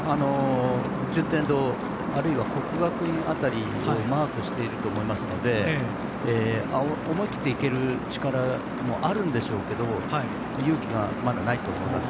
順天堂、あるいは國學院辺りをマークしていると思うので思い切っていける力もあるんでしょうけど勇気がまだないと思います。